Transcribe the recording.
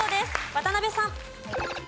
渡辺さん。